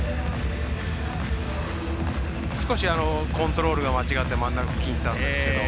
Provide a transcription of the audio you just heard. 少しコントロールが間違って真ん中付近にいったんですけど。